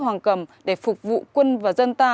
hoàng cầm để phục vụ quân và dân ta